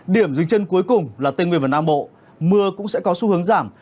điểm dính chân cuối cùng là tây nguyên và nam bộ mưa cũng sẽ có xu hướng giảm